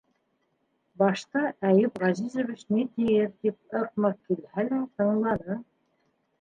Башта, Әйүп Ғәзизович ни тиер, тип ыҡ-мыҡ килһә лә, тыңланы.